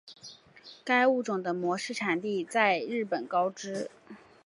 该物种的模式产地在日本高知。